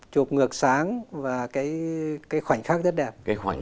chụp ngược sáng và cái khoảnh khắc rất đẹp